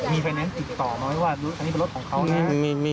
มีไฟแนนซ์ติดต่อไหมว่าอันนี้เป็นรถของเขานะครับ